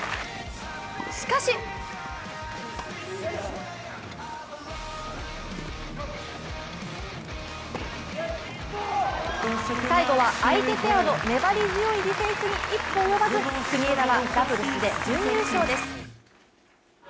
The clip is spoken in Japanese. しかし最後は相手ペアの粘り強いディフェンスに一歩及ばず、国枝はダブルスで準優勝です。